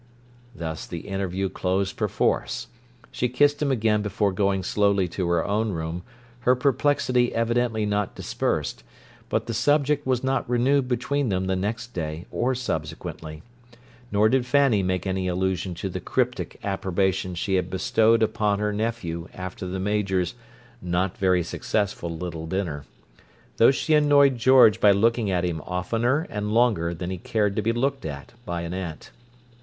Thus the interview closed perforce. She kissed him again before going slowly to her own room, her perplexity evidently not dispersed; but the subject was not renewed between them the next day or subsequently. Nor did Fanny make any allusion to the cryptic approbation she had bestowed upon her nephew after the Major's "not very successful little dinner"; though she annoyed George by looking at him oftener and longer than he cared to be looked at by an aunt.